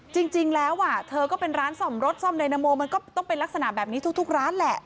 จริงแล้วเธอก็เป็นร้านซ่อมรถซ่อมไดนาโมมันก็ต้องเป็นลักษณะแบบนี้ทุกร้านแหละ